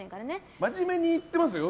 真面目に言ってますよ。